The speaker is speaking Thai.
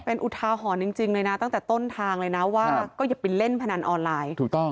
เป็นอุทาหรณ์จริงเลยนะตั้งแต่ต้นทางเลยนะว่าก็อย่าไปเล่นพนันออนไลน์ถูกต้อง